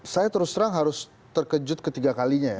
saya terus terang harus terkejut ketiga kalinya ya